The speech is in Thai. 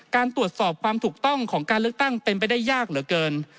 การตรวจสอบความถูกต้องของการเลือกตั้งเป็นไปได้ยากเหลือเกิน